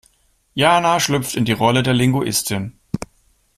Jana schlüpft in die Rolle der Linguistin.